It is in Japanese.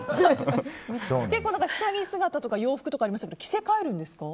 下着姿とか洋服とかありましたけど着せかえるんですか？